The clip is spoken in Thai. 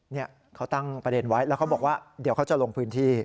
เนี่ยเขาตั้งประเด็นไว้แล้วเขาบอกว่าเดี๋ยวเขาจะลงพื้นที่